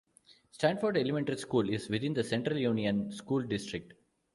Stratford Elementary School is within the Central Union School District.